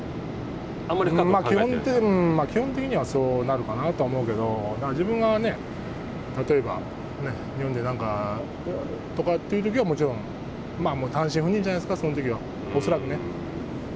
まあ基本的にはそうなるかなとは思うけど、自分が例えば日本でなんかとかというときはもちろんまあ単身赴任じゃないですか、そのときは、恐らくね。